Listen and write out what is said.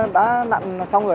dạ kẹo khát rồi